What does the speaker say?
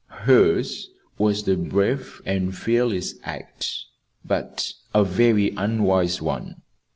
"Hers was a brave and fearless act but a very unwise one.